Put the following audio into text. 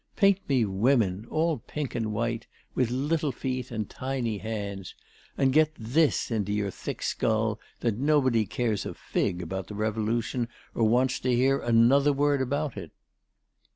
Paint me women, all pink and white, with little feet and tiny hands. And get this into your thick skull that nobody cares a fig about the Revolution or wants to hear another word about it."